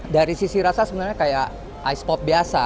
dari sisi rasa sebenarnya kayak es pop biasa